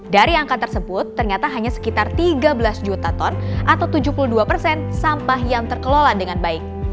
dari angka tersebut ternyata hanya sekitar tiga belas juta ton atau tujuh puluh dua persen sampah yang terkelola dengan baik